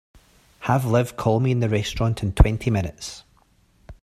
Have Liv call me in the restaurant in twenty minutes.